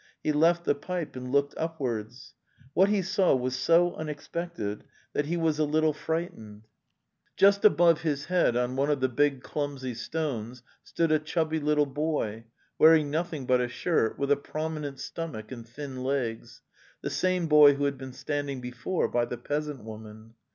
He left the pipe and looked upwards. What he saw was so unexpected that he was a little 180 The Tales of Chekhov frightened. Just above his head on one of the big clumsy stones stood a chubby little boy, wearing noth ing but a shirt, with a prominent stomach and thin legs, the same boy who had been standing before by the peasant woman.